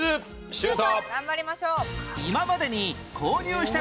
シュート！